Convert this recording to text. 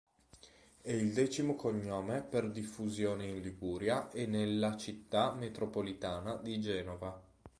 È il decimo cognome per diffusione in Liguria e nella città metropolitana di Genova.